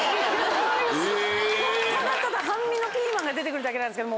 ただただ半身のピーマンが出て来るだけなんですけど。